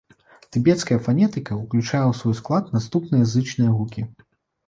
Тыбецкая фанетыка ўключае ў свой склад наступныя зычныя гукі.